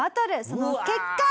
その結果。